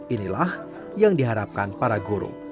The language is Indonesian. inilah yang diharapkan para guru